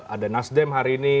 ada nasdem hari ini